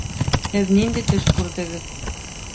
Һеҙ ниндәй төш күрҙегеҙ?